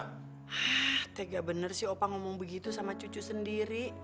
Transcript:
ketika bener sih opa ngomong begitu sama cucu sendiri